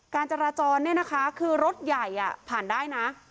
การจราจรเนี่ยนะคะคือรถใหญ่ผ่านได้นะ